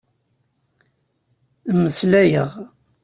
Mmeslayeɣ.